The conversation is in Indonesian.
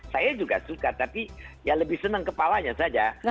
saya juga suka tapi ya lebih senang kepalanya saja